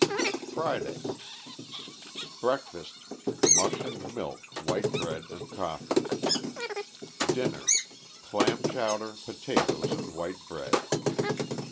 FRIDAY. Breakfast. — Mush and milk, white bread and coffee. Dinner. — Clam chowder, potatoes and white bread.